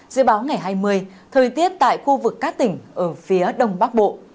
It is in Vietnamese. dự báo ngày hai mươi thời tiết tại khu vực các tỉnh ở phía đông bắc bộ